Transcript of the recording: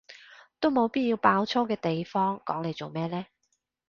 都冇必要爆粗嘅地方講嚟做咩呢？